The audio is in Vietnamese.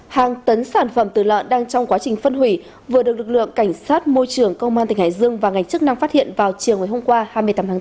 hàng tấn sản phẩm từ lợn đang trong quá trình phân hủy vừa được lực lượng cảnh sát môi trường công an tỉnh hải dương và ngành chức năng phát hiện vào chiều ngày hôm qua hai mươi tám tháng bốn